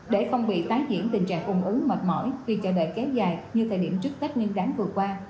để không bị tái diễn tình trạng ủng ứng mệt mỏi khi chờ đợi kéo dài như thời điểm trước tết nguyên đáng vừa qua